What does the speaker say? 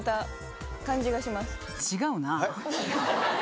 違うなぁ。